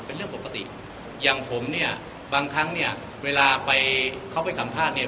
เป็นเรื่องปกติอย่างผมเนี่ยบางครั้งเนี่ยเวลาไปเขาไปสัมภาษณ์เนี่ย